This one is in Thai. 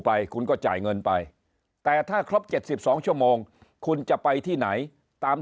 ไปคุณก็จ่ายเงินไปแต่ถ้าครบ๗๒ชั่วโมงคุณจะไปที่ไหนตาม